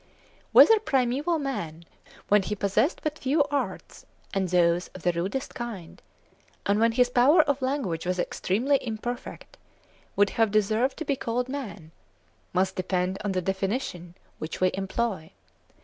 Whether primeval man, when he possessed but few arts, and those of the rudest kind, and when his power of language was extremely imperfect, would have deserved to be called man, must depend on the definition which we employ.